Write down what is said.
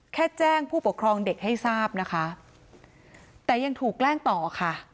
แค่แจ้งผู้ปกครองเด็กให้ทราบนะคะแต่ยังถูกแกล้งต่อค่ะ